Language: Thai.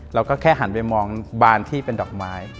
เราก็แค่หันไปมองบานที่เป็นดอกไม้